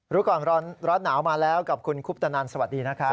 รู้ก่อนร้อนหนาวมาแล้วกับคุณคุปตนันสวัสดีนะครับ